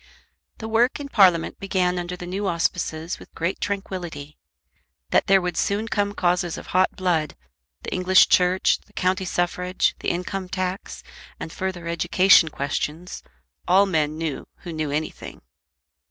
The work in Parliament began under the new auspices with great tranquillity. That there would soon come causes of hot blood, the English Church, the county suffrage, the income tax, and further education questions, all men knew who knew anything.